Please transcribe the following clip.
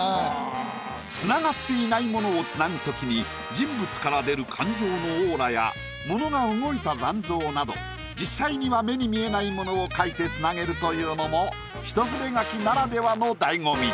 繋がっていないものを繋ぐときに人物から出る感情のオーラや物が動いた残像など実際には目に見えないものを描いて繋げるというのも一筆書きならではの醍醐味。